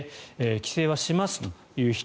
帰省はしますという人